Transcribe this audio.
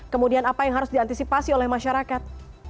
kemudian apa yang harus diantisipasi oleh masyarakat